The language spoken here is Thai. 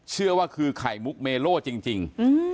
เชื่อว่าคือไข่มุกเมโล่จริง